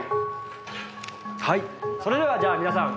はいそれではじゃあ皆さん。